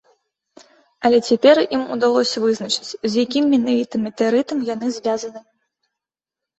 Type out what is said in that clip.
Але цяпер ім удалося вызначыць, з якім менавіта метэарытам яны звязаны.